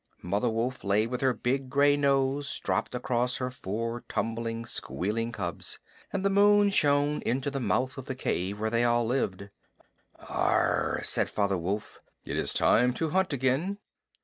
Mother Wolf lay with her big gray nose dropped across her four tumbling, squealing cubs, and the moon shone into the mouth of the cave where they all lived. "Augrh!" said Father Wolf. "It is time to hunt again."